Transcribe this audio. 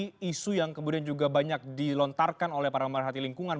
harus menyikapi isu yang kemudian juga banyak dilontarkan oleh para pemerintah hati lingkungan